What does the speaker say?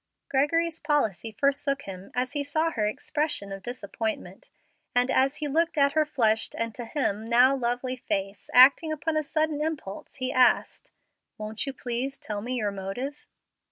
Gregory's policy forsook him as he saw her expression of disappointment; and as he looked at her flushed and to him now lovely face, acting upon a sudden impulse he asked, "Won't you please tell me your motive?"